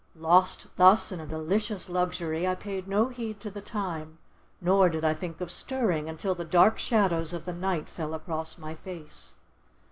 Lost, thus, in a delicious luxury, I paid no heed to the time, nor did I think of stirring, until the dark shadows of the night fell across my face.